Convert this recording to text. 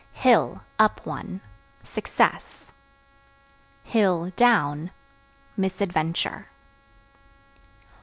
Hill (Up one) success; (down) misadventure.